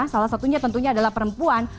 salah satunya tentunya adalah perempuan